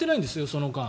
その間。